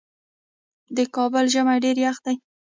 د کابل ژمی ډیر یخ دی